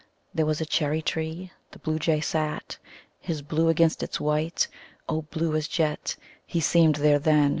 There was a cherry tree. The Bluejay sat His blue against its white O blue as jet He seemed there then!